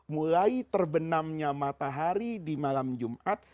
mulai terbenamnya matahari di malam jumat